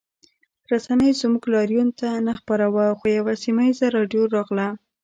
رسنیو زموږ لاریون نه خپراوه خو یوه سیمه ییزه راډیو راغله